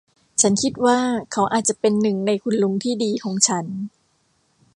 ฉันคิดว่าเขาอาจจะเป็นหนึ่งในคุณลุงที่ดีของฉัน